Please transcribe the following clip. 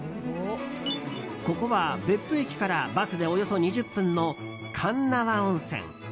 ここは別府駅からバスでおよそ２０分の鉄輪温泉。